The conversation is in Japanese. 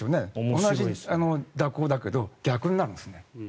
同じ蛇行だけど逆になるんですね。